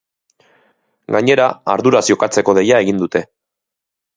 Gainera, arduraz jokatzeko deia egin dute.